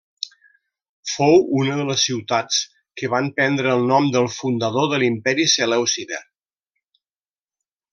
Fou una de les ciutats que van prendre el nom del fundador de l'Imperi Selèucida.